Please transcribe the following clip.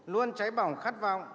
luôn cháy bỏng khát vọng